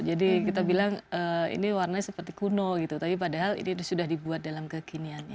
kita bilang ini warnanya seperti kuno gitu tapi padahal ini sudah dibuat dalam kekiniannya